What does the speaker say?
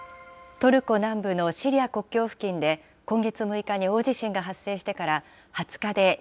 トルコ南部のシリア国境付近で今月６日に大地震が発生してか